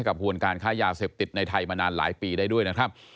กระบวนการค้ายาเสพติดในไทยมานานหลายปีได้ด้วยนะครับ